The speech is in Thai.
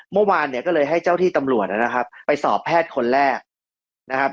เมื่อวานเนี่ยก็เลยให้เจ้าที่ตำรวจนะครับไปสอบแพทย์คนแรกนะครับ